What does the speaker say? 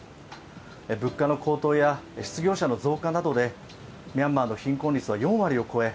物価の高騰や失業者の増加などでミャンマーの貧困率は４割を超え